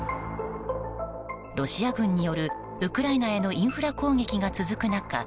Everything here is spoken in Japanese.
ロシア軍によるウクライナへのインフラ攻撃が続く中